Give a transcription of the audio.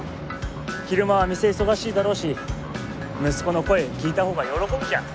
昼間は店忙しいだろうし息子の声聞いたほうが喜ぶじゃん。